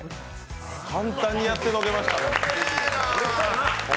簡単にやってのけましたね。